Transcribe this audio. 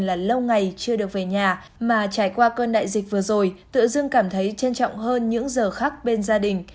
là lâu ngày chưa được về nhà mà trải qua cơn đại dịch vừa rồi tự dương cảm thấy trân trọng hơn những giờ khác bên gia đình